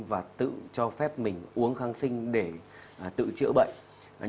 và tự cho phép mình uống kháng sinh để tự chữa bệnh